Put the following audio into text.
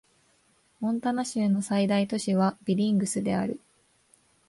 モンタナ州の最大都市はビリングスである